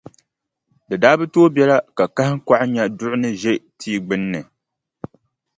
Di daa bi tooi biɛla ka kahiŋkɔɣu nya duɣu ni ʒe tia gbunni,